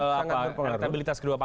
untuk kreatabilitas kedua pasukan